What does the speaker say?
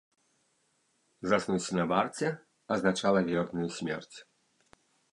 Заснуць на варце азначала верную смерць.